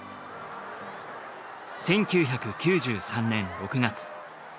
１９９３年６月。